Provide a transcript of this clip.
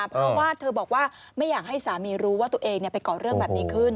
เพราะว่าเธอบอกว่าไม่อยากให้สามีรู้ว่าตัวเองไปก่อเรื่องแบบนี้ขึ้น